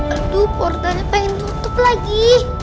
aduh portalnya pengen tutup lagi